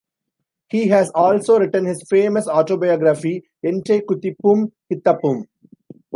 He has also written his famous autobiography "Ente Kuthippum Kithappum".